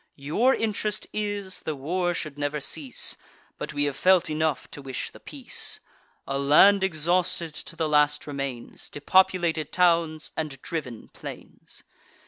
Your interest is, the war should never cease; But we have felt enough to wish the peace: A land exhausted to the last remains, Depopulated towns, and driven plains.